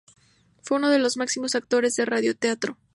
Fue uno de los máximos actores de radioteatro.